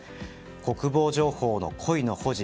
国防情報の故意の保持。